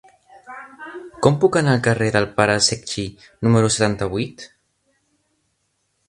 Com puc anar al carrer del Pare Secchi número setanta-vuit?